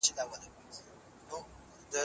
هغه وعده چې چا راکړې وه، ډېره نږدې وه.